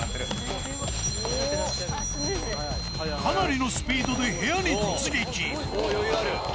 かなりのスピードで部屋に突撃。